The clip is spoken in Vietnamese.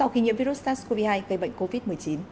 điểm virus sars cov hai gây bệnh covid một mươi chín